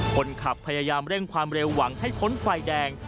คนขับพยายามเร่งความเร็วหวังให้พ้นไฟแดง